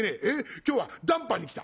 今日は談判に来た」。